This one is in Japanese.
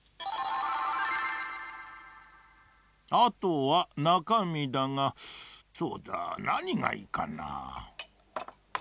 あとはなかみだがそうだなにがいいかな。